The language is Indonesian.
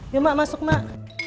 ya mak masuk mak